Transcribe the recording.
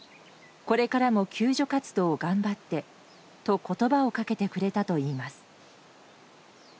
これからも救助活動頑張ってと言葉をかけてくれたといいます。